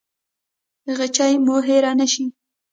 غیچي مو هیره نه شي